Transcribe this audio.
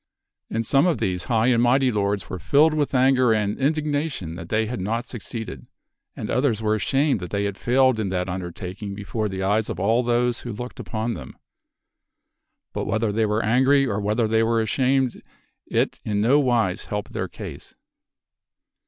And some of these high and mighty lords were filled with anger and indignation that they had not succeeded, and others were ashamed that they had failed in that undertaking before the eyes of all those who looked upon them. But whether they were angry or whether they were ashamed it in no wise helped their case.